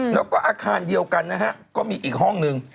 แล้วก็อาคารเดียวกันนะฮะก็มีอีกห้องหนึ่ง